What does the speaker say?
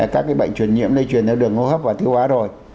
các cái bệnh truyền nhiễm này truyền theo đường hô hấp và tiêu hóa rồi